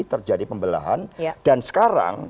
terjadi pembelahan dan sekarang